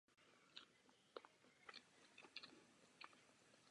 Režisérem je Marek Najbrt.